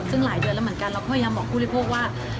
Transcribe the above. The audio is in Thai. ซึ่งหลายเดือนแล้วเหมือนกันเราก็พยายามบอกผู้บริโภคว่า